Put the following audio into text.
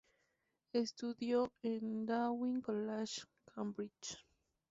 Estudió en Downing College, Cambridge.